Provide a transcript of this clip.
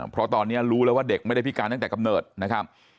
เพราะตอนนี้รู้แล้วว่าเด็กไม่ได้พิการตั้งแต่กำเนิดนะครับ